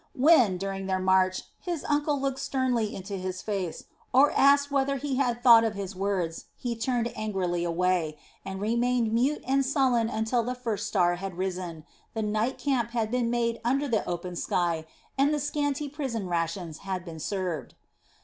When, during their march, his uncle looked sternly into his face or asked whether he had thought of his words, he turned angrily away, and remained mute and sullen until the first star had risen, the night camp had been made under the open sky, and the scanty prison rations had been served.